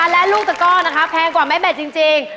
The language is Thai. และลูกตะก้อนะคะแพงกว่าแม่เบ็ดจริง